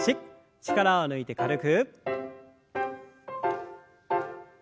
力を抜いて軽く。